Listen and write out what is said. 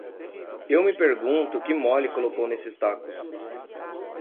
Eu me pergunto o que Molly colocou nesses tacos?